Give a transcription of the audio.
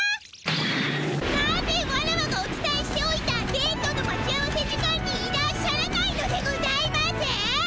なぜワラワがおつたえしておいたデートの待ち合わせ時間にいらっしゃらないのでございます？